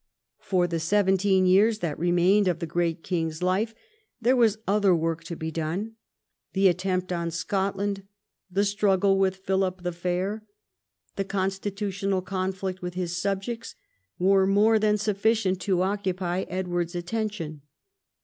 For the seventeen years that remained of the great king's life, there was other work to be done. The attempt on Scotland, the struggle with Philip the Fair, the constitutional conflict with his subjects, were more than sufficient to occupy Edward's attention.